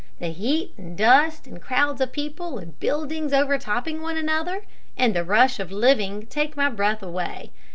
The heat and dust, and crowds of people, and buildings overtopping one another, and the rush of living, take my breath away.